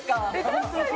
確かに！